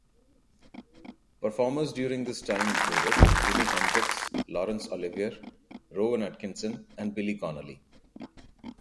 Performers during this time included Jimi Hendrix, Laurence Olivier, Rowan Atkinson and Billy Connolly.